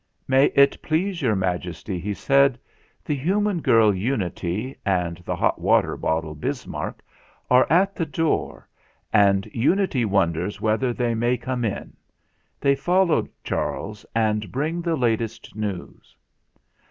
"May it please Your. Majesty," he said, "the human girl Unity, and the hot water bottle, Bismarck, are at the door, and Unity wonders THE FIGHT 317 whether they may come in. They followed Charles, and bring the latest news."